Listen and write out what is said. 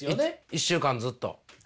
１週間ずっと。